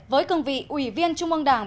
với cương vị ủy viên trung ương đảng